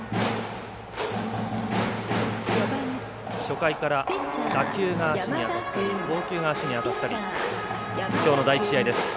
初回から打球が足に当たったり投球が足に当たったりというきょうの第１試合です。